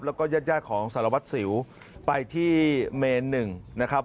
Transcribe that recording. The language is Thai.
แล้วก็ญาติของสารวัตรสิวไปที่เมนหนึ่งนะครับ